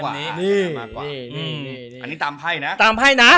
อันนี้ตามไผ่นะ